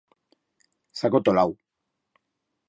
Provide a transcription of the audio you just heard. S'ha acotolau.